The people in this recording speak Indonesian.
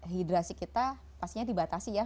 hidrasi kita pastinya dibatasi ya